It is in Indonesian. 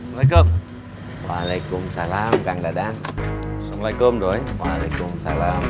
walaikum waalaikumsalam kang dadan assalamualaikum doi waalaikumsalam